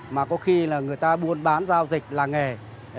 mà có khi là người ta buôn bán giao dịch làng nghề